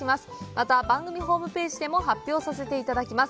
また番組ホームページでも発表させて頂きます